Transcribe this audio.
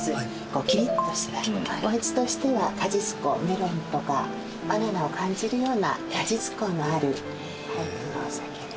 キリッとしたお味としては果実香メロンとかバナナを感じるような果実香のあるお酒ですね。